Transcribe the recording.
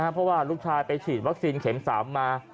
เพราะว่าลูกชายไปฉีดวัคซีนเข็ม๓มา